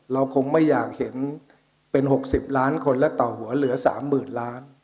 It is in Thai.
เราคงไม่อยากเห็นเป็น๖๐ล้านคนและต่อหัวเหลือ๓๐๐๐ล้าน